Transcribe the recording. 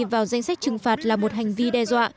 vào danh sách trừng phạt là một hành vi đe dọa